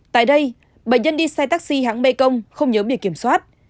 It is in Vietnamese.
tại đây bệnh nhân đi xe taxi hãng mê công không nhớ bị kiểm soát